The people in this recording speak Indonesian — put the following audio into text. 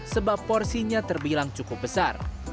sebab porsinya terbilang cukup besar